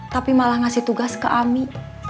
tapi malah ngasih tugas ke ami